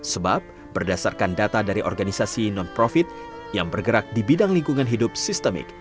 sebab berdasarkan data dari organisasi non profit yang bergerak di bidang lingkungan hidup sistemik